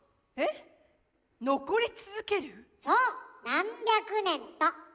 何百年と。